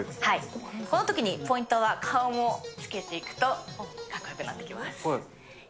このときにポイントは顔もつけていくと、かっこよくなってきます。